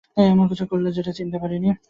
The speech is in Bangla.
এমন কিছু একটা দেখলাম যেটা প্রথমে চিনতে পারিনি!